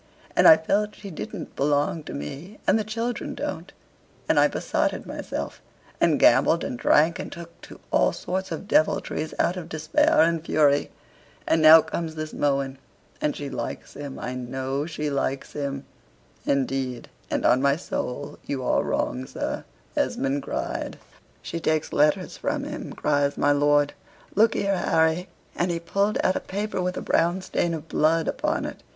And I felt she didn't belong to me: and the children don't. And I besotted myself, and gambled and drank, and took to all sorts of deviltries out of despair and fury. And now comes this Mohun, and she likes him, I know she likes him." "Indeed, and on my soul, you are wrong, sir," Esmond cried. "She takes letters from him," cries my lord "look here, Harry," and he pulled out a paper with a brown stain of blood upon it.